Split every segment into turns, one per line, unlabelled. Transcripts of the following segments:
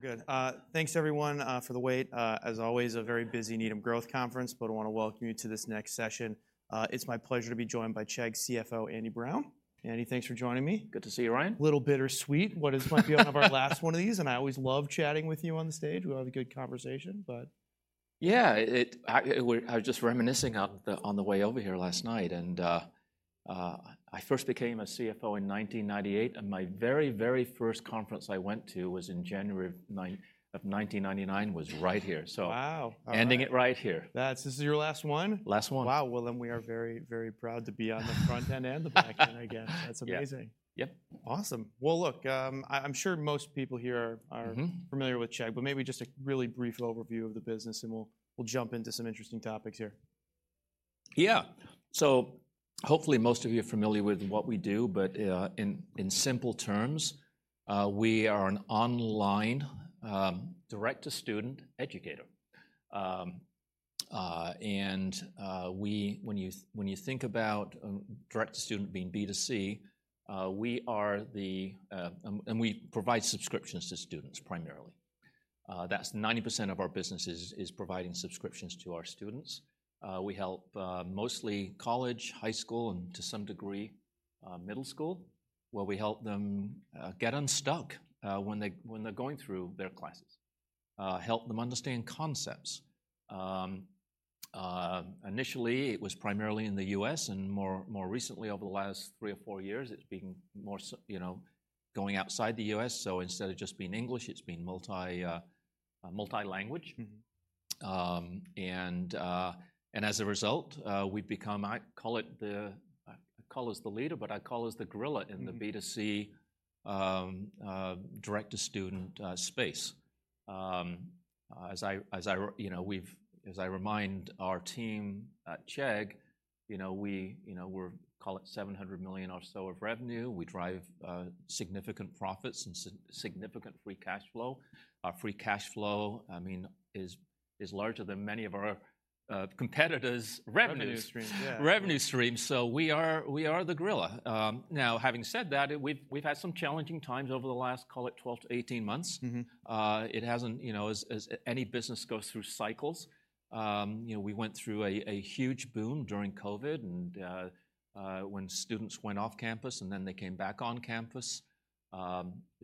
Good. Thanks everyone for the wait. As always, a very busy Needham Growth Conference, but I wanna welcome you to this next session. It's my pleasure to be joined by Chegg CFO, Andy Brown. Andy, thanks for joining me.
Good to see you, Ryan.
A little bittersweet. This might be our last one of these, and I always love chatting with you on the stage. We'll have a good conversation, but.
Yeah, I was just reminiscing on the way over here last night, and I first became a CFO in 1998, and my very, very first conference I went to was in January of 1999, was right here, so.
Wow!
Ending it right here.
This is your last one?
Last one.
Wow! Well, then we are very, very proud to be on the front end and the back end, I guess.
Yeah.
That's amazing.
Yep.
Awesome. Well, look, I'm sure most people here are-
Mm-hm
Familiar with Chegg, but maybe just a really brief overview of the business, and we'll, we'll jump into some interesting topics here.
Yeah. So hopefully most of you are familiar with what we do, but in simple terms, we are an online direct-to-student educator. And when you think about direct-to-student being B2C, we are the... and we provide subscriptions to students primarily. That's 90% of our business is providing subscriptions to our students. We help mostly college, high school, and to some degree middle school, where we help them get unstuck when they're going through their classes. Help them understand concepts. Initially, it was primarily in the U.S., and more recently, over the last three or four years, it's been more—you know, going outside the U.S., so instead of just being English, it's been multi-language.
Mm-hmm.
As a result, we've become... I call us the leader, but I call us the gorilla-
Mm
In the B2C, direct-to-student, space. As I remind our team at Chegg, you know, we, you know, we're call it $700 million or so of revenue. We drive, significant profits and significant free cash flow. Our free cash flow, I mean, is, is larger than many of our, competitors' revenues.
Revenue streams, yeah.
Revenue streams, so we are the gorilla. Now, having said that, we've had some challenging times over the last, call it, 12-18 months.
Mm-hmm.
It hasn't, you know, as any business goes through cycles, you know, we went through a huge boom during COVID, and when students went off campus, and then they came back on campus.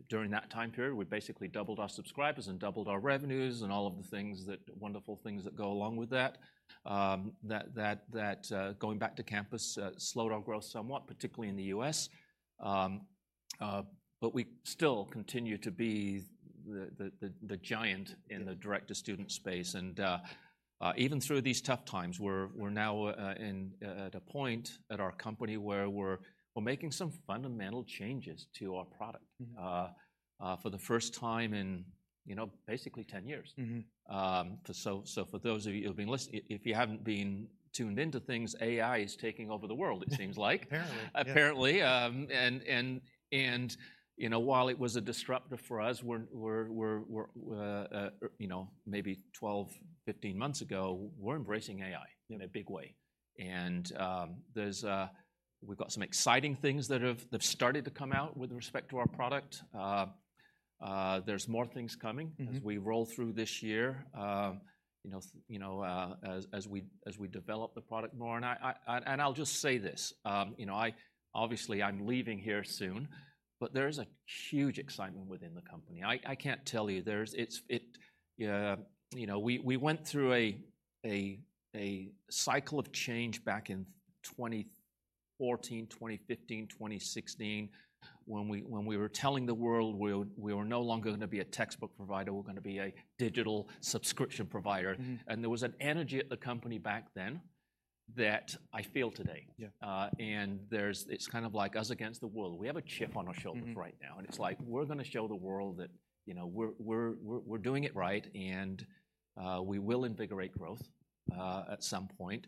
During that time period, we basically doubled our subscribers and doubled our revenues and all of the wonderful things that go along with that. That going back to campus slowed our growth somewhat, particularly in the U.S. But we still continue to be the giant-
Yeah
In the direct-to-student space. Even through these tough times, we're now at a point in our company where we're making some fundamental changes to our product-
Mm-hmm
For the first time in, you know, basically 10 years.
Mm-hmm.
So, for those of you who've been listening, if you haven't been tuned into things, AI is taking over the world, it seems like.
Apparently, yeah.
Apparently, you know, while it was a disruptor for us, you know, maybe 12, 15 months ago, we're embracing AI-
Mm
In a big way. And we've got some exciting things that've started to come out with respect to our product. There's more things coming-
Mm-hmm
As we roll through this year. You know, as we develop the product more, and I'll just say this, you know, I obviously I'm leaving here soon, but there is a huge excitement within the company. I can't tell you. There's, it's, it... You know, we went through a cycle of change back in 2014, 2015, 2016, when we were telling the world we were no longer gonna be a textbook provider, we're gonna be a digital subscription provider.
Mm-hmm.
There was an energy at the company back then that I feel today.
Yeah.
It's kind of like us against the world. We have a chip on our shoulders right now.
Mm-hmm.
It's like, we're gonna show the world that, you know, we're doing it right, and we will invigorate growth at some point.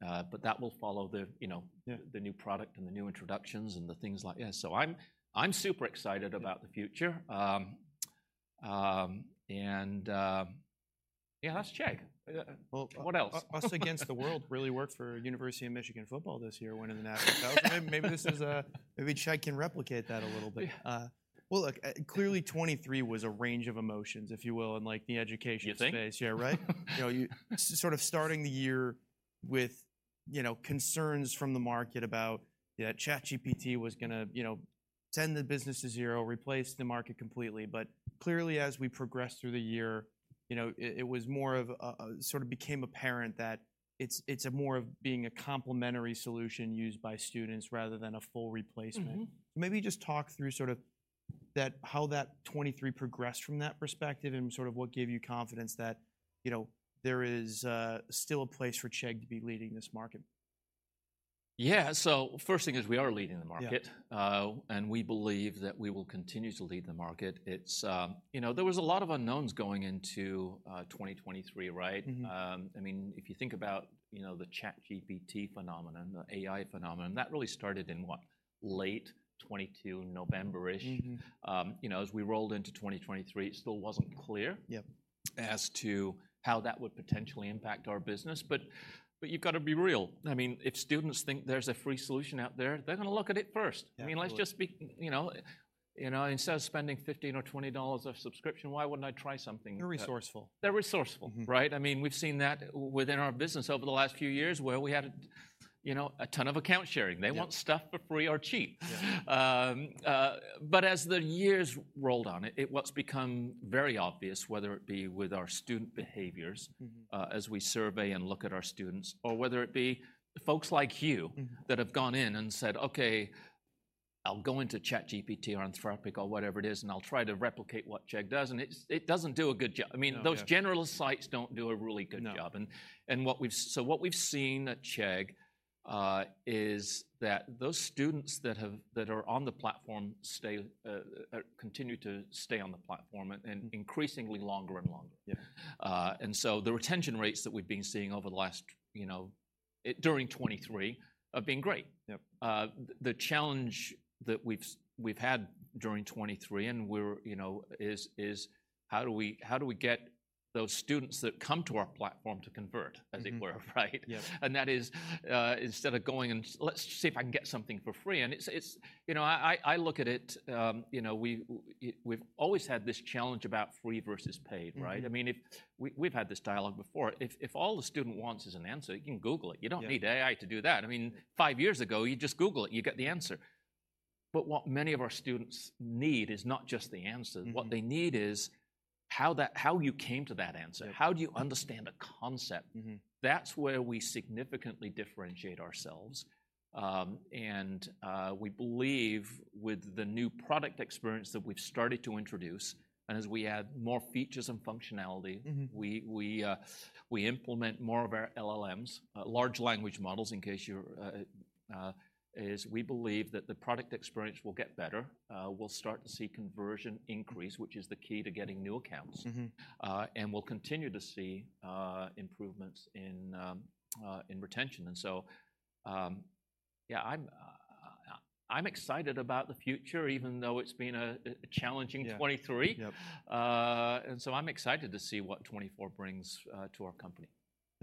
But that will follow the, you know-
Yeah
The new product and the new introductions and the things like that. So I'm super excited about the future. And yeah, that's Chegg. What else?
Well, us against the world really worked for University of Michigan football this year, winning the national title. Maybe this is, maybe Chegg can replicate that a little bit.
Yeah.
Well, look, clearly 2023 was a range of emotions, if you will, in, like, the education space.
You think?
Yeah, right. You know, you sort of starting the year with, you know, concerns from the market about, yeah, ChatGPT was gonna, you know, send the business to zero, replace the market completely. But clearly, as we progressed through the year, you know, it was more of a sort of became apparent that it's a more of being a complementary solution used by students rather than a full replacement.
Mm-hmm.
Maybe just talk through sort of that, how that 2023 progressed from that perspective and sort of what gave you confidence that, you know, there is still a place for Chegg to be leading this market.
Yeah, so first thing is we are leading the market.
Yeah.
We believe that we will continue to lead the market. It's, you know, there was a lot of unknowns going into 2023, right?
Mm-hmm.
I mean, if you think about, you know, the ChatGPT phenomenon, the AI phenomenon, that really started in, what, late 2022, November-ish.
Mm-hmm.
You know, as we rolled into 2023, it still wasn't clear.
Yep
as to how that would potentially impact our business. But you've gotta be real. I mean, if students think there's a free solution out there, they're gonna look at it first.
Yeah, absolutely.
I mean, let's just be, you know... You know, instead of spending $15 or $20 a subscription, why wouldn't I try something?
They're resourceful.
They're resourceful-
Mm-hmm...
right? I mean, we've seen that within our business over the last few years, where we had, you know, a ton of account sharing.
Yeah.
They want stuff for free or cheap.
Yeah.
But as the years rolled on, what's become very obvious, whether it be with our student behaviors-
Mm-hmm
As we survey and look at our students, or whether it be folks like you-
Mm-hmm
That have gone in and said, "Okay, I'll go into ChatGPT or Anthropic or whatever it is, and I'll try to replicate what Chegg does," and it's- it doesn't do a good job.
No, yeah.
I mean, those general sites don't do a really good job.
No.
So what we've seen at Chegg is that those students that are on the platform stay, continue to stay on the platform, and-
Mm-hmm
And increasingly longer and longer.
Yeah.
And so the retention rates that we've been seeing over the last, you know, during 2023, have been great.
Yep.
The challenge that we've had during 2023, and we're... you know, is how do we get those students that come to our platform to convert, as it were?
Mm-hmm.
Right?
Yeah.
And that is instead of going and, "Let's just see if I can get something for free," and it's. You know, I look at it, you know, we've always had this challenge about free versus paid, right?
Mm-hmm.
I mean, if we've had this dialogue before. If all the student wants is an answer, you can Google it.
Yeah.
You don't need AI to do that. I mean, five years ago, you just Google it, you get the answer. But what many of our students need is not just the answer.
Mm-hmm.
What they need is how you came to that answer.
Yeah.
How do you understand a concept?
Mm-hmm.
That's where we significantly differentiate ourselves. We believe with the new product experience that we've started to introduce, and as we add more features and functionality-
Mm-hmm...
we implement more of our LLMs, large language models, in case you're... As we believe that the product experience will get better. We'll start to see conversion increase, which is the key to getting new accounts.
Mm-hmm.
We'll continue to see improvements in retention. So, yeah, I'm excited about the future, even though it's been a challenging 2023.
Yeah. Yep.
And so I'm excited to see what 2024 brings to our company.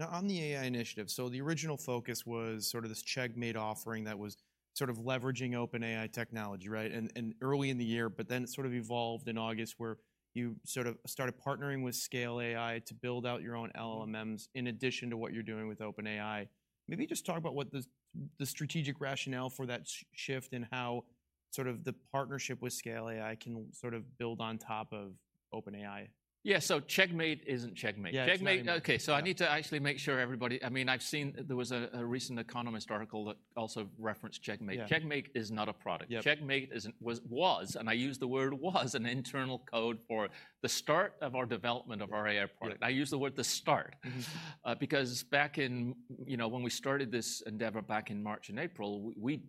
Now, on the AI initiative, so the original focus was sort of this CheggMate offering that was sort of leveraging OpenAI technology, right? And early in the year, but then it sort of evolved in August, where you sort of started partnering with Scale AI to build out your own LLMs, in addition to what you're doing with OpenAI. Maybe just talk about what the strategic rationale for that shift, and how sort of the partnership with Scale AI can sort of build on top of OpenAI?
Yeah, so CheggMate isn't CheggMate.
Yeah, it's not anymore.
CheggMate... Okay.
Yeah.
So I need to actually make sure everybody... I mean, I've seen, there was a recent Economist article that also referenced CheggMate.
Yeah.
CheggMate is not a product.
Yep.
CheggMate isn't, was, and I use the word was, an internal code for the start of our development of our AI product.
Yeah.
I use the word the start.
Mm-hmm.
Because back in, you know, when we started this endeavor back in March and April, we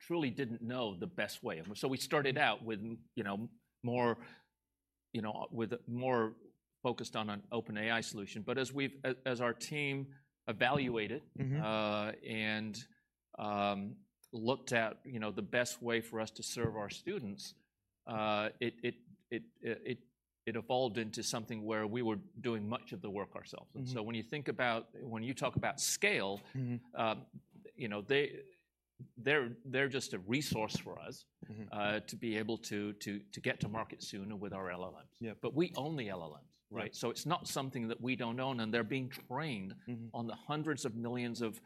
truly didn't know the best way. And so we started out with, you know, more, you know, with it more focused on an OpenAI solution. But as we've, as our team evaluated-
Mm-hmm
And looked at, you know, the best way for us to serve our students, it evolved into something where we were doing much of the work ourselves.
Mm-hmm.
And so when you think about, when you talk about scale-
Mm-hmm
You know, they're just a resource for us.
Mm-hm
To be able to get to market sooner with our LLMs.
Yeah.
But we own the LLMs, right?
Right.
It's not something that we don't own, and they're being trained-
Mm-hmm
In the hundreds of millions of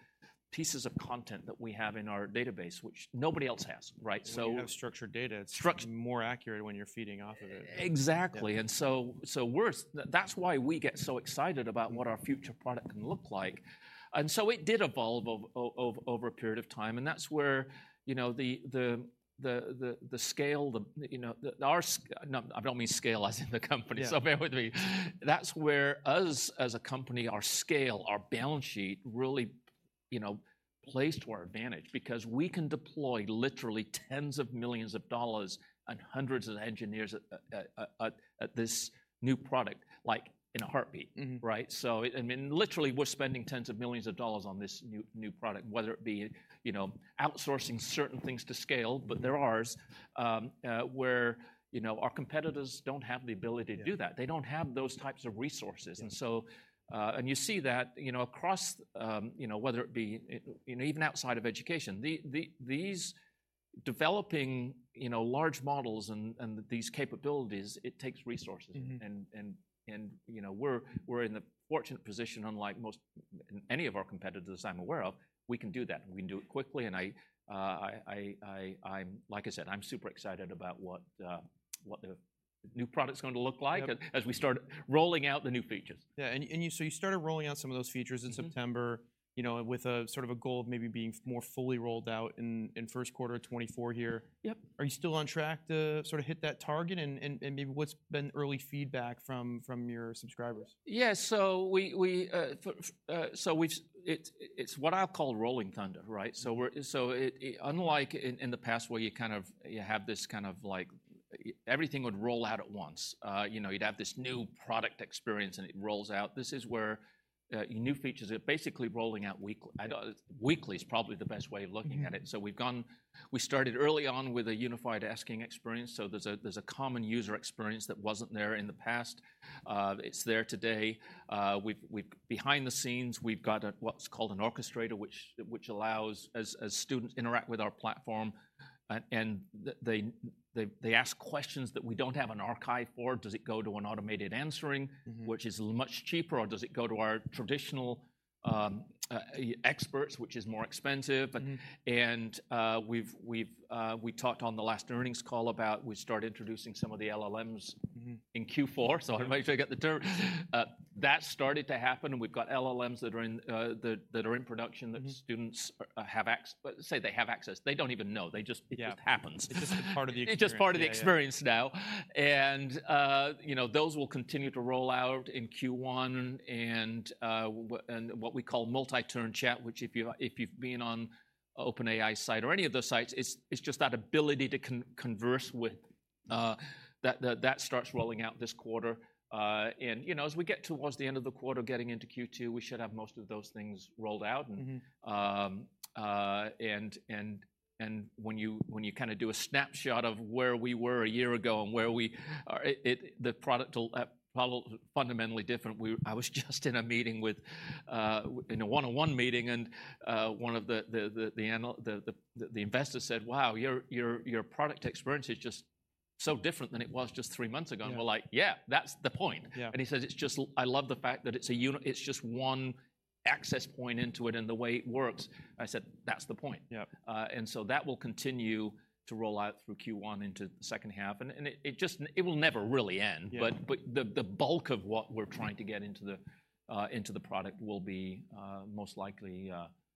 pieces of content that we have in our database, which nobody else has, right? So-
When you have structured data- Struct -More accurate when you're feeding off of it.
Exactly.
Yeah.
And so we're— That's why we get so excited about what our future product can look like. And so it did evolve over a period of time, and that's where, you know, the scale, you know, our sc... No, I don't mean scale as in the company—
Yeah...
so bear with me. That's where us, as a company, our scale, our balance sheet, really, you know, plays to our advantage.
Mm-hmm.
Because we can deploy literally $tens of millions and hundreds of engineers at this new product, like, in a heartbeat.
Mm-hmm.
Right? I mean, literally, we're spending $ tens of millions on this new, new product, whether it be, you know, outsourcing certain things to Scale, but they're ours. You know, our competitors don't have the ability to do that.
Yeah.
They don't have those types of resources.
Yeah.
And so you see that, you know, across, you know, whether it be you know, even outside of education, these developing, you know, large models and these capabilities, it takes resources.
Mm-hmm.
you know, we're in the fortunate position, unlike most any of our competitors I'm aware of, we can do that. We can do it quickly, and I'm... Like I said, I'm super excited about what the new product's going to look like.
Yep...
as we start rolling out the new features.
Yeah, and so you started rolling out some of those features in September-
Mm-hmm...
you know, with a sort of a goal of maybe being more fully rolled out in first quarter of 2024 here.
Yep.
Are you still on track to sort of hit that target? And maybe what's been early feedback from your subscribers?
Yeah, so we've, it's what I call rolling thunder, right?
Mm-hmm.
So, unlike in the past, where you kind of have this kind of everything would roll out at once. You know, you'd have this new product experience, and it rolls out. This is where new features are basically rolling out weekly. Weekly is probably the best way of looking at it.
Mm-hmm.
So we started early on with a unified asking experience, so there's a common user experience that wasn't there in the past. It's there today. Behind the scenes, we've got what's called an orchestrator, which allows, as students interact with our platform, and they ask questions that we don't have an archive for. Does it go to an automated answering-
Mm-hmm...
which is much cheaper, or does it go to our traditional experts, which is more expensive?
Mm-hmm.
And, we've talked on the last earnings call about we start introducing some of the LLMs-
Mm-hmm
In Q4, so I make sure I get the term. That started to happen. We've got LLMs that are in production-
Mm-hmm
That students say they have access. They don't even know. They just-
Yeah
It just happens.
It's just a part of the experience.
It's just part of the experience now.
Yeah, yeah.
You know, those will continue to roll out in Q1, and what we call multi-turn chat, which if you've been on OpenAI site or any of those sites, it's just that ability to converse with... That starts rolling out this quarter. You know, as we get towards the end of the quarter, getting into Q2, we should have most of those things rolled out.
Mm-hmm.
When you kind of do a snapshot of where we were a year ago and where we are, the product looks probably fundamentally different. I was just in a one-on-one meeting, and one of the investors said: "Wow, your product experience is just so different than it was just three months ago.
Yeah.
We're like: "Yeah, that's the point.
Yeah.
He said: "It's just. I love the fact that it's just one access point into it and the way it works." I said: "That's the point.
Yeah.
And so that will continue to roll out through Q1 into the second half. And it just... It will never really end.
Yeah.
But the bulk of what we're trying to get into the product will be most likely,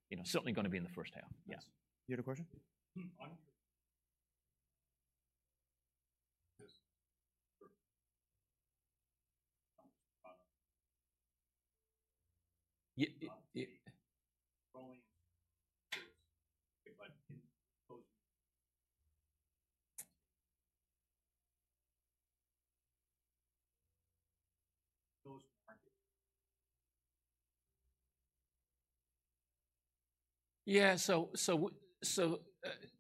you know, certainly gonna be in the first half.
Yes. You had a question? Mm-hmm. You rolling? If I can close. Those are.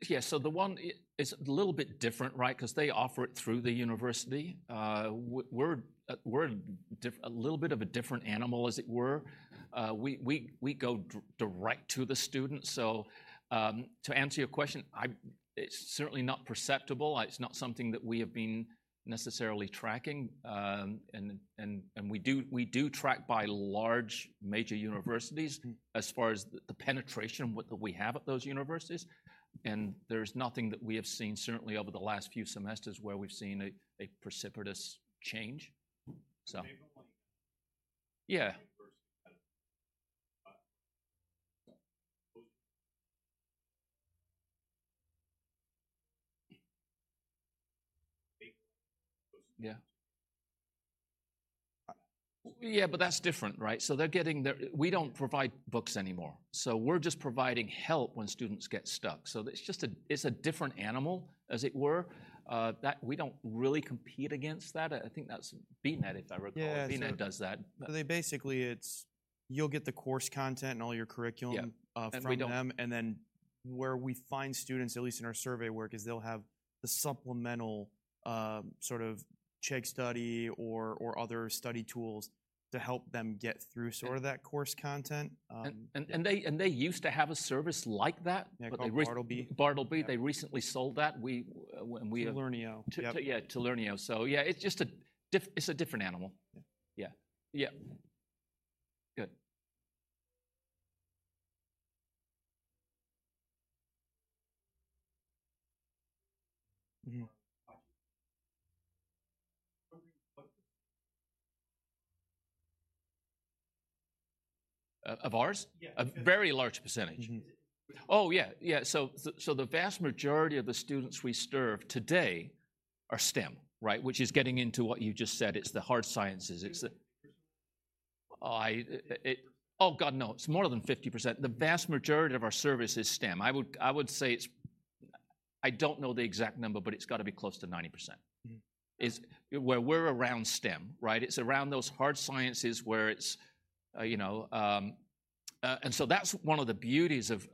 Yeah, so the one, it is a little bit different, right? Because they offer it through the university. We're a little bit of a different animal, as it were. We go direct to the student. So, to answer your question, it's certainly not perceptible. It's not something that we have been necessarily tracking. And we do track by large, major universities-
Mm...
as far as the penetration, what we have at those universities. There's nothing that we have seen, certainly over the last few semesters, where we've seen a precipitous change. So- They have a point. Yeah. First, those... Yeah. Yeah, but that's different, right? So they're getting their. We don't provide books anymore. So we're just providing help when students get stuck. So it's just a different animal, as it were. That we don't really compete against that. I think that's Bartleby, if I recall.
Yeah.
BNED does that.
You'll get the course content and all your curriculum-
Yeah
From them.
We don't.
Then, where we find students, at least in our survey work, is they'll have the supplemental, sort of Chegg Study or other study tools to help them get through sort of that course content.
They used to have a service like that, but they recent-
Yeah, called Bartleby.
Bartleby.
Yeah.
They recently sold that. We
To Learneo. Yep.
To, yeah, to Learneo. So yeah, it's just a different animal.
Yeah.
Yeah. Yeah. Good. Mm-hmm. Uh, but- Of ours? Yeah. A very large percentage.
Mm-hmm. Which-
Oh, yeah, yeah. So the vast majority of the students we serve today are STEM, right? Which is getting into what you just said, it's the hard sciences. It's the- Yeah. Oh, God, no, it's more than 50%. The vast majority of our service is STEM. I would, I would say it's. I don't know the exact number, but it's got to be close to 90%.
Mm-hmm.
We're around STEM, right? It's around those hard sciences where it's, you know. And so that's one of the beauties of.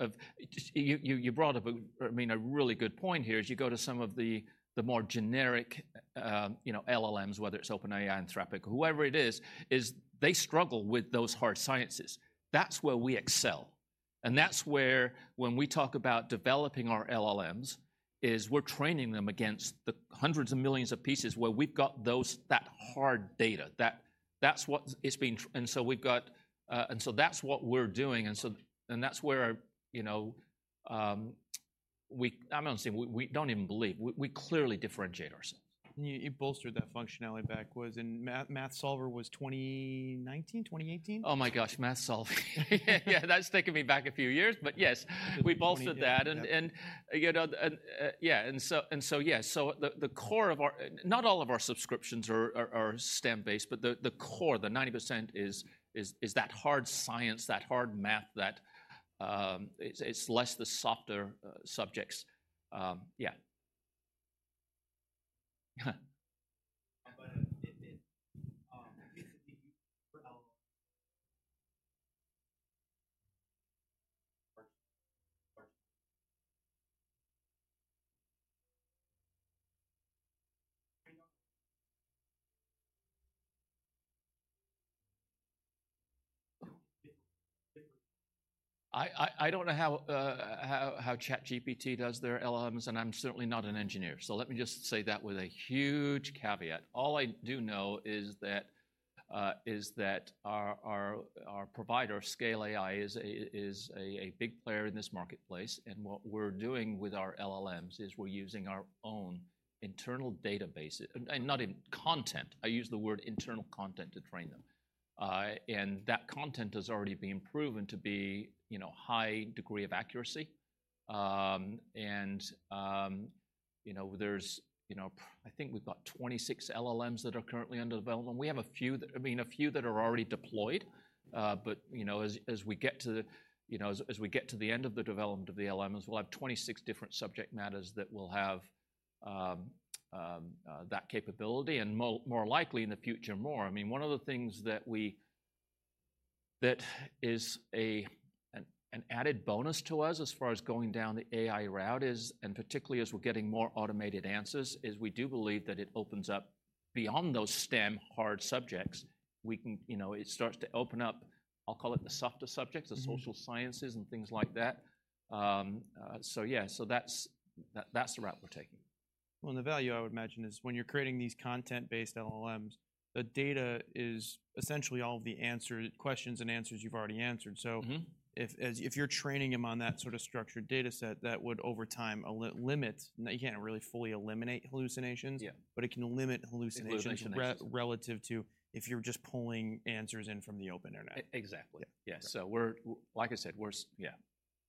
You brought up a, I mean, a really good point here, is you go to some of the more generic, you know, LLMs, whether it's OpenAI, Anthropic, whoever it is, is they struggle with those hard sciences. That's where we excel. And that's where when we talk about developing our LLMs, is we're training them against the hundreds of millions of pieces where we've got those, that hard data. That's what is being trained. And so we've got. And so that's what we're doing, and so, and that's where, you know, we. I'm not saying we, we don't even believe. We clearly differentiate ourselves.
You bolstered that functionality backwards, and Math Solver was 2019, 2018?
Oh, my gosh, Math Solver. Yeah, that's taking me back a few years, but yes-
Yeah...
we bolstered that.
Yep.
You know, yeah, and so. So the core of our—Not all of our subscriptions are STEM-based, but the core, the 90% is that hard science, that hard math, that it's less the softer subjects. Yeah. I don't know how ChatGPT does their LLMs, and I'm certainly not an engineer, so let me just say that with a huge caveat. All I do know is that our provider, Scale AI, is a big player in this marketplace. And what we're doing with our LLMs is we're using our own internal database, and not in content. I use the word internal content to train them. And that content has already been proven to be, you know, high degree of accuracy. And, you know, there's, you know, I think we've got 26 LLMs that are currently under development. We have a few that, I mean, a few that are already deployed. But, you know, as we get to the end of the development of the LLMs, we'll have 26 different subject matters that will have that capability, and more likely in the future, more. I mean, one of the things that we... That is an added bonus to us as far as going down the AI route is, and particularly as we're getting more automated answers, is we do believe that it opens up beyond those STEM hard subjects. We can, you know, it starts to open up. I'll call it the softer subjects-
Mm-hmm.
The social sciences and things like that. So yeah, so that's, that, that's the route we're taking.
Well, and the value, I would imagine, is when you're creating these content-based LLMs, the data is essentially all the answers, questions and answers you've already answered, so-
Mm-hmm.
If you're training them on that sort of structured data set, that would, over time, limit, you can't really fully eliminate hallucinations-
Yeah.
But it can limit hallucinations.
Hallucinations.
Relative to if you're just pulling answers in from the open internet.
E- exactly.
Yeah.
Yeah, so we're. Like I said, we're. Yeah.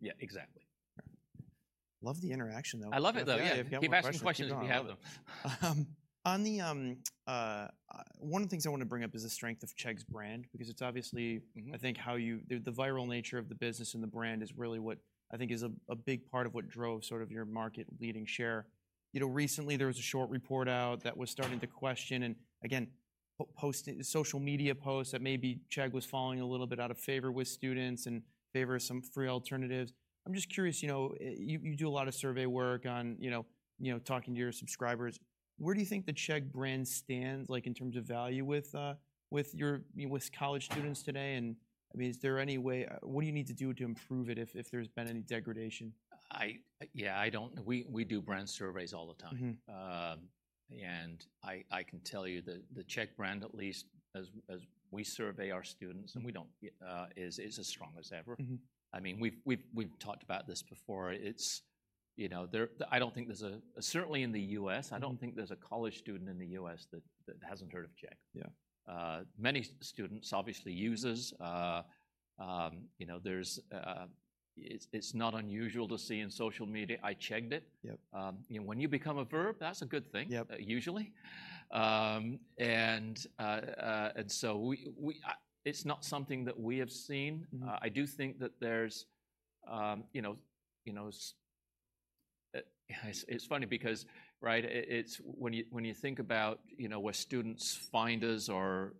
Yeah, exactly.
Right. Love the interaction, though.
I love it, though. Yeah.
Yeah, we've got more questions.
Keep asking questions if you have them.
One of the things I wanna bring up is the strength of Chegg's brand, because it's obviously-
Mm-hmm.
I think how you... The viral nature of the business and the brand is really what I think is a big part of what drove sort of your market-leading share. You know, recently there was a short report out that was starting to question, and again, posting, social media posts that maybe Chegg was falling a little bit out of favor with students and in favor of some free alternatives. I'm just curious, you know, you do a lot of survey work on talking to your subscribers. Where do you think the Chegg brand stands, like, in terms of value with your college students today? I mean, is there any way... What do you need to do to improve it if there's been any degradation?
Yeah, we do brand surveys all the time.
Mm-hmm.
And I can tell you that the Chegg brand, at least as we survey our students, is as strong as ever.
Mm-hmm.
I mean, we've talked about this before. It's, you know, I don't think there's a... Certainly in the US, I don't think there's a college student in the US that hasn't heard of Chegg.
Yeah.
Many students obviously uses, you know, there's, it's, it's not unusual to see in social media, "I Chegged it.
Yep.
You know, when you become a verb, that's a good thing-
Yep...
usually. And so we, it's not something that we have seen.
Mm-hmm.
I do think that there's, you know, it's funny because, right, it's when you think about, you know, where students find us or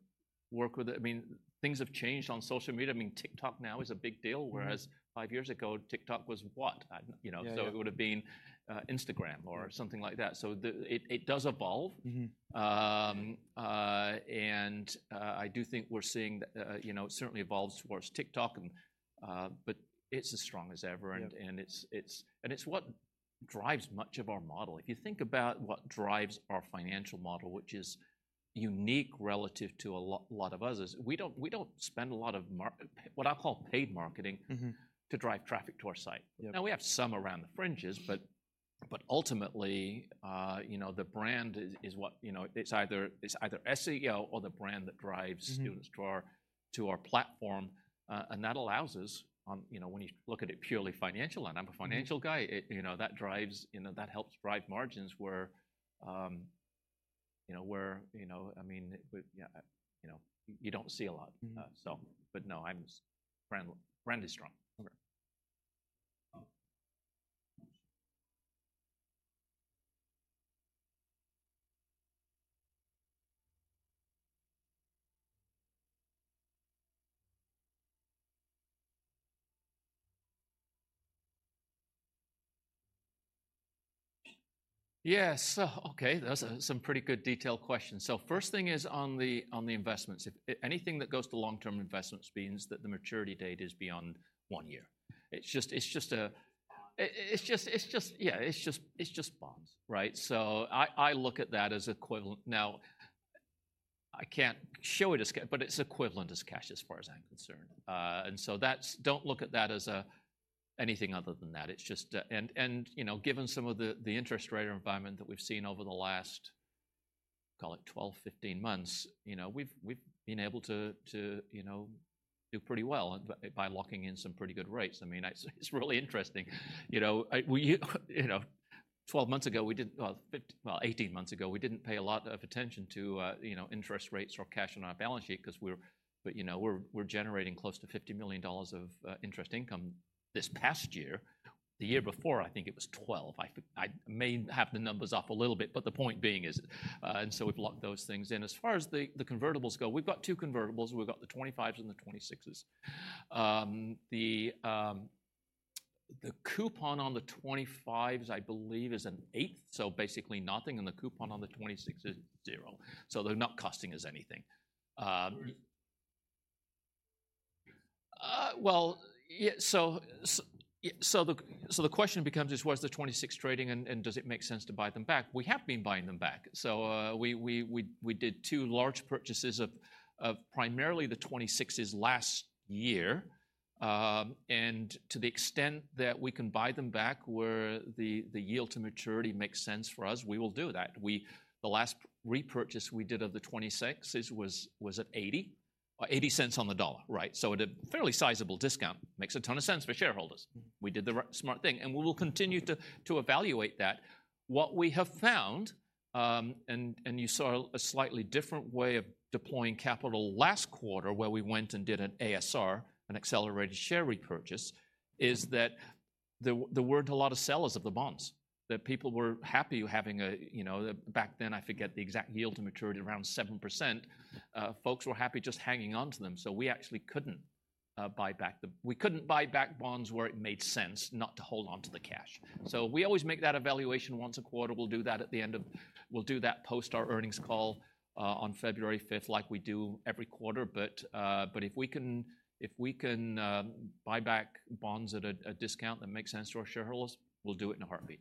work with. I mean, things have changed on social media. I mean, TikTok now is a big deal-
Mm-hmm
Whereas five years ago, TikTok was what? I, you know-
Yeah.
So it would've been, Instagram or something like that. So it does evolve.
Mm-hmm.
I do think we're seeing, you know, it certainly evolves towards TikTok, but it's as strong as ever.
Yep.
And it's what drives much of our model. If you think about what drives our financial model, which is unique relative to a lot of others, we don't spend a lot of what I call paid marketing-
Mm-hmm...
to drive traffic to our site.
Yep.
Now, we have some around the fringes, but ultimately, you know, the brand is what, you know, it's either SEO or the brand that drives-
Mm-hmm
Students to our platform. And that allows us, you know, when you look at it purely financial, and I'm a financial guy-
Mm-hmm.
It, you know, that drives, you know, that helps drive margins where, you know, where, you know, I mean, but yeah, you know, you don't see a lot.
Mm-hmm.
But no, brand is strong.
Okay.
Yes. Okay, that's some pretty good detailed questions. So first thing is on the investments. If anything that goes to long-term investments means that the maturity date is beyond one year. It's just a- Bond. It's just bonds, right? So I look at that as equivalent... Now, I can't show it as ca- but it's equivalent as cash as far as I'm concerned. And so that's—don't look at that as anything other than that. It's just... And, you know, given some of the interest rate environment that we've seen over the last, call it 12, 15 months, you know, we've been able to do pretty well by locking in some pretty good rates. I mean, it's really interesting. You know, 12 months ago, we didn't—well, 18 months ago, we didn't pay a lot of attention to interest rates or cash on our balance sheet 'cause we're... But, you know, we're generating close to $50 million of interest income this past year. The year before, I think it was $12 million. I may have the numbers off a little bit, but the point being is, and so we've locked those things in. As far as the convertibles go, we've got two convertibles. We've got the 2025s and the 2026s. The coupon on the 2025s, I believe, is 1/8, so basically nothing, and the coupon on the 2026s is 0. So they're not costing us anything.
Right.
Well, yeah, so the question becomes is, what is the 2026s trading, and does it make sense to buy them back? We have been buying them back. So, we did two large purchases of primarily the 2026s last year. And to the extent that we can buy them back, where the yield to maturity makes sense for us, we will do that. The last repurchase we did of the 2026s was at $0.80 on the dollar, right? So at a fairly sizable discount. Makes a ton of sense for shareholders.
Mm-hmm.
We did the smart thing, and we will continue to evaluate that. What we have found, and you saw a slightly different way of deploying capital last quarter, where we went and did an ASR, an accelerated share repurchase, is that there weren't a lot of sellers of the bonds. That people were happy having a, you know, back then, I forget the exact yield to maturity, around 7%, folks were happy just hanging onto them. So we actually couldn't buy back the bonds where it made sense not to hold onto the cash. So we always make that evaluation once a quarter. We'll do that post our earnings call on February 5th, like we do every quarter. But if we can buy back bonds at a discount that makes sense to our shareholders, we'll do it in a heartbeat.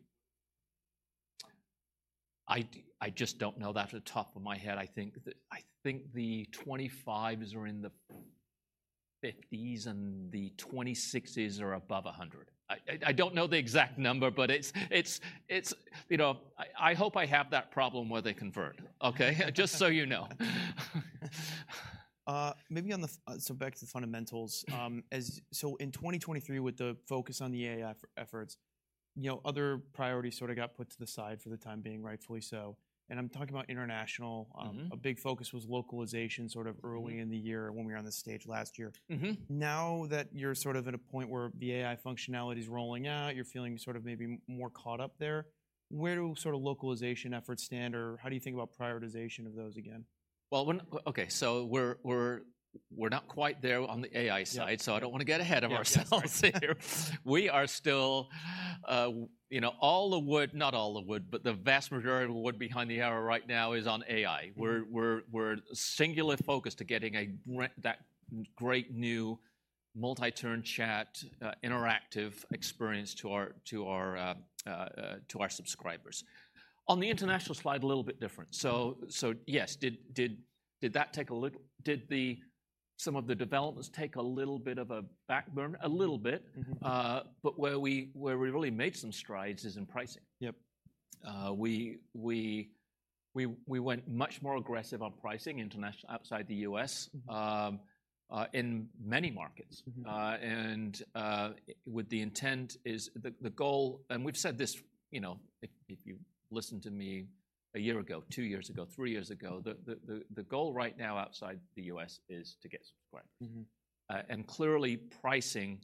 I just don't know that off the top of my head. I think the 2025s are in the 50s, and the 2026s are above 100. I don't know the exact number, but it's, you know... I hope I have that problem where they convert, okay? Just so you know.
Back to the fundamentals.
Mm-hmm.
So in 2023, with the focus on the AI efforts, you know, other priorities sort of got put to the side for the time being, rightfully so, and I'm talking about international.
Mm-hmm.
A big focus was localization sort of early-
Mm
In the year when we were on this stage last year.
Mm-hmm.
Now that you're sort of at a point where the AI functionality is rolling out, you're feeling sort of maybe more caught up there, where do sort of localization efforts stand, or how do you think about prioritization of those again?
Well, okay, so we're not quite there on the AI side-
Yeah
So I don't wanna get ahead of ourselves here.
Yes, yes, right.
We are still, you know, all the wood... not all the wood, but the vast majority of the wood behind the arrow right now is on AI.
Mm-hmm.
We're singular focused to getting that great new multi-turn chat, interactive experience to our subscribers. On the international slide, a little bit different. So yes, did that take a little bit? Did some of the developments take a little bit of a backburner? A little bit.
Mm-hmm.
But where we, where we really made some strides is in pricing.
Yep.
We went much more aggressive on pricing international, outside the U.S., in many markets.
Mm-hmm.
The goal, and we've said this, you know, if you listened to me a year ago, two years ago, three years ago, the goal right now outside the U.S. is to get subscribers.
Mm-hmm.
Clearly pricing,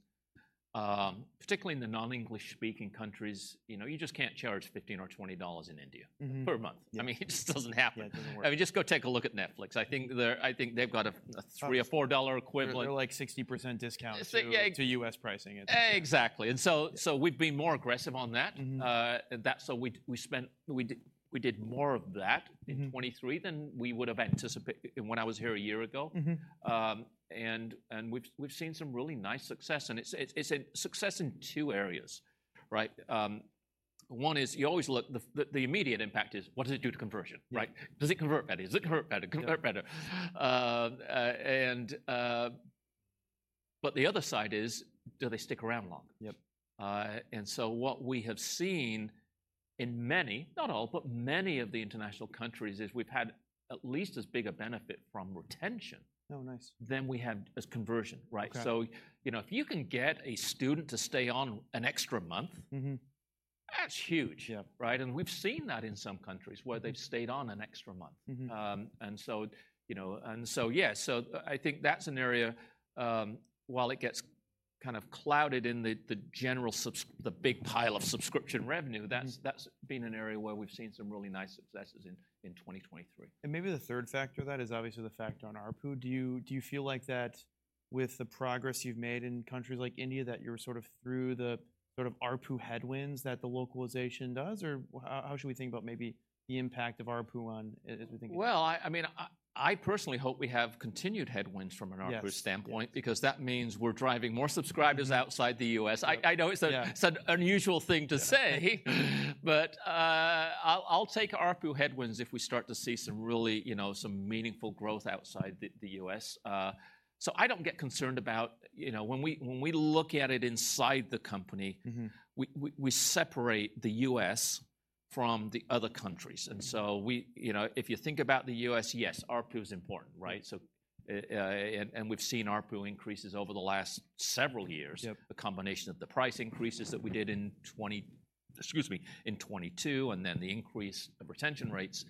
particularly in the non-English-speaking countries, you know, you just can't charge $15 or $20 in India-
Mm-hmm
-per month.
Yeah.
I mean, it just doesn't happen.
Yeah, it doesn't work.
I mean, just go take a look at Netflix. I think they've got a $3 or $4 dollar equivalent.
They're like 60% discount to-
So yeah
to US pricing, I think.
Exactly. So, we've been more aggressive on that.
Mm-hmm.
So we spent, we did more of that.
Mm-hmm
in 2023 than we would've anticipated when I was here a year ago.
Mm-hmm.
And we've seen some really nice success, and it's a success in two areas, right? One is, you always look, the immediate impact is, what does it do to conversion, right?
Yeah.
Does it convert better? Does it convert better?
Yeah.
Convert better. But the other side is, do they stick around long?
Yep.
And so what we have seen in many, not all, but many of the international countries, is we've had at least as big a benefit from retention-
Oh, nice
than we had as conversion, right?
Okay.
So, you know, if you can get a student to stay on an extra month-
Mm-hmm
-that's huge.
Yeah.
Right? And we've seen that in some countries where they've stayed on an extra month.
Mm-hmm.
and so, you know, yeah, so I think that's an area while it gets kind of clouded in the general subscription, the big pile of subscription revenue-
Mm-hmm
That's been an area where we've seen some really nice successes in 2023.
Maybe the third factor of that is obviously the factor on ARPU. Do you, do you feel like that, with the progress you've made in countries like India, that you're sort of through the sort of ARPU headwinds that the localization does? Or how, how should we think about maybe the impact of ARPU on as we think about-
Well, I mean, I personally hope we have continued headwinds from an ARPU standpoint-
Yes
-because that means we're driving more subscribers outside the U.S.
Yep.
I know it's a-
Yeah
It's an unusual thing to say.
Yeah.
I'll take ARPU headwinds if we start to see some really, you know, some meaningful growth outside the U.S. So I don't get concerned about... You know, when we look at it inside the company-
Mm-hmm
We separate the U.S. from the other countries.
Mm-hmm.
And so we, you know, if you think about the U.S., yes, ARPU is important, right? So, and we've seen ARPU increases over the last several years.
Yep.
A combination of the price increases that we did in 20... Excuse me, in 2022, and then the increase of retention rates.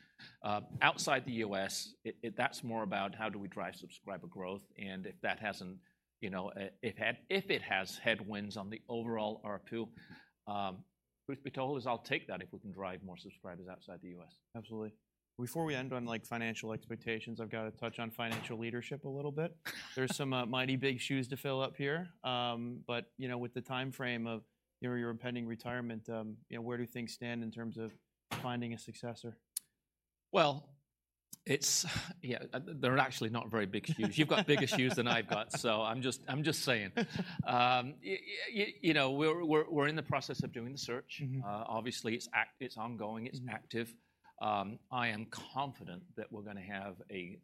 Outside the U.S., it, that's more about how do we drive subscriber growth, and if that hasn't, you know, if it has headwinds on the overall ARPU... truth be told is I'll take that if we can drive more subscribers outside the U.S.
Absolutely. Before we end on, like, financial expectations, I've gotta touch on financial leadership a little bit. There's some mighty big shoes to fill up here. But, you know, with the timeframe of, you know, your impending retirement, you know, where do things stand in terms of finding a successor?
Well, it's... Yeah, they're actually not very big shoes. You've got bigger shoes than I've got, so I'm just, I'm just saying. You know, we're in the process of doing the search.
Mm-hmm.
Obviously, it's ongoing.
Mm.
It's active. I am confident that we're gonna have a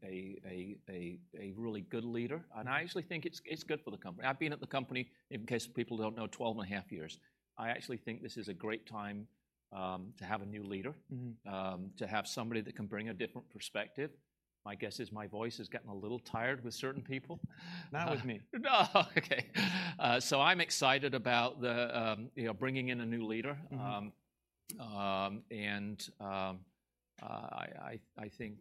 really good leader, and I actually think it's good for the company. I've been at the company, in case people don't know, 12 and a half years. I actually think this is a great time to have a new leader.
Mm-hmm.
To have somebody that can bring a different perspective. My guess is my voice is getting a little tired with certain people.
Not with me.
No. Okay. So I'm excited about the, you know, bringing in a new leader.
Mm-hmm.
I think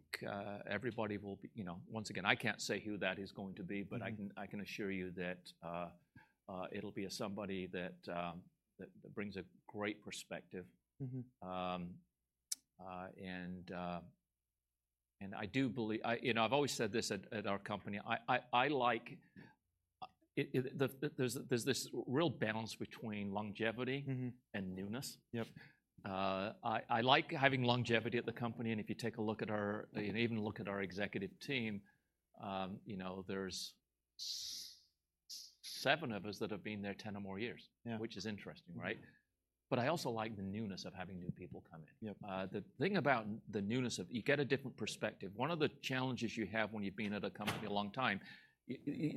everybody will be. You know, once again, I can't say who that is going to be-
Mm-hmm...
but I can assure you that it'll be somebody that brings a great perspective.
Mm-hmm.
I do believe—I... You know, I've always said this at our company. I like the—there's this real balance between longevity—
Mm-hmm...
and newness.
Yep.
I like having longevity at the company, and if you take a look at our-
Mm...
and even look at our executive team, you know, there's 7 of us that have been there 10 or more years.
Yeah.
Which is interesting, right?
Mm-hmm.
But I also like the newness of having new people come in.
Yep.
The thing about the newness of... You get a different perspective. One of the challenges you have when you've been at a company a long time,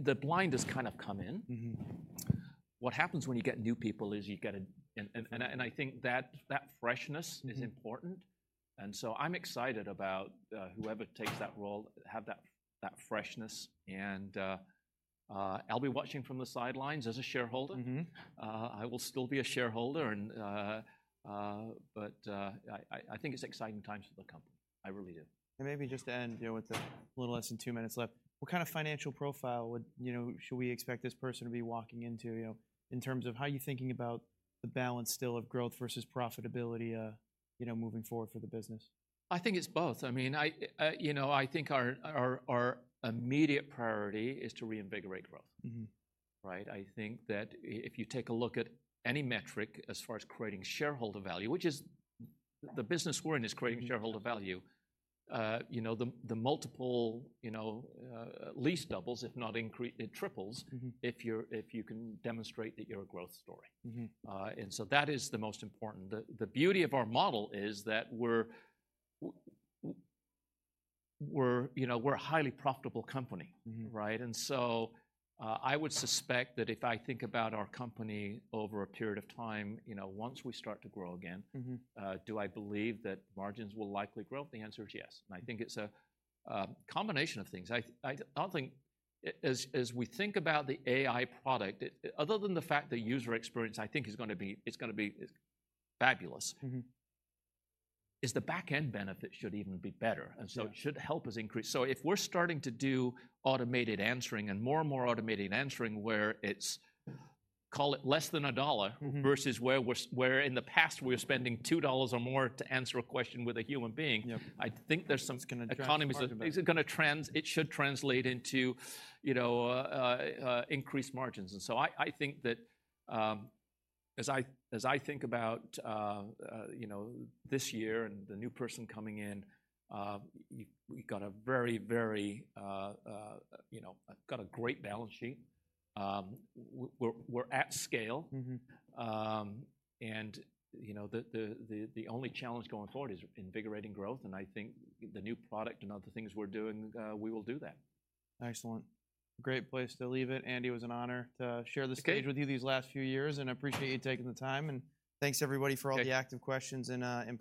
the blinders kind of come in.
Mm-hmm.
What happens when you get new people is you get a... And I think that freshness-
Mm...
is important. And so I'm excited about whoever takes that role, have that, that freshness. And I'll be watching from the sidelines as a shareholder.
Mm-hmm.
I will still be a shareholder, and... But, I think it's exciting times for the company. I really do.
Maybe just to end, you know, with a little less than two minutes left. What kind of financial profile would, you know, should we expect this person to be walking into, you know, in terms of how you're thinking about the balance still of growth versus profitability, you know, moving forward for the business?
I think it's both. I mean, you know, I think our immediate priority is to reinvigorate growth.
Mm-hmm.
Right? I think that if you take a look at any metric as far as creating shareholder value, which is... The business we're in is creating shareholder-
Mm
Value. You know, the multiple, you know, at least doubles, if not, it triples-
Mm-hmm.
If you can demonstrate that you're a growth story.
Mm-hmm.
That is the most important. The beauty of our model is that we're, you know, we're a highly profitable company.
Mm-hmm.
Right? And so, I would suspect that if I think about our company over a period of time, you know, once we start to grow again-
Mm-hmm
Do I believe that margins will likely grow? The answer is yes, and I think it's a combination of things. I think as we think about the AI product, other than the fact the user experience I think is gonna be... it's gonna be fabulous-
Mm-hmm
Is the back-end benefit should even be better, and so-
Yeah
It should help us increase. So if we're starting to do automated answering and more and more automated answering, where it's, call it less than $1-
Mm-hmm
Versus where we're in the past we were spending $2 or more to answer a question with a human being-
Yep
I think there's some-
It's gonna drive the margin back.
Economies, is it gonna? It should translate into, you know, increased margins. And so I, I think that, as I, as I think about, you know, this year and the new person coming in, we've got a very, very, you know, got a great balance sheet. We're, we're at scale.
Mm-hmm.
You know, the only challenge going forward is invigorating growth, and I think the new product and other things we're doing, we will do that.
Excellent. Great place to leave it. Andy, it was an honor to share the stage-
Okay
With you these last few years, and I appreciate you taking the time. Thanks, everybody.
Okay
For all the active questions and input.